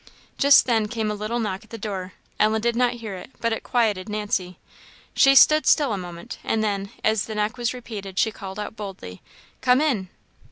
Just then came a little knock at the door. Ellen did not hear it, but it quieted Nancy. She stood still a moment; and then, as the knock was repeated, she called out boldly, "Come in!"